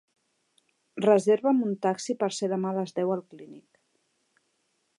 Reserva'm un taxi per ser demà a les deu al Clínic.